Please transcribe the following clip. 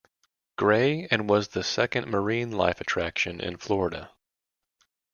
Gray and was the second marine-life attraction in Florida.